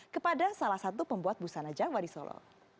kepada salah satu pembuat busana jawa di solo